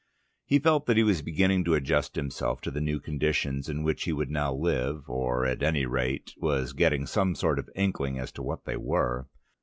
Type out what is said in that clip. He felt that he was beginning to adjust himself to the new conditions in which he would now live or, at any rate, was getting some sort of inkling as to what they were.